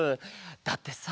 だってさ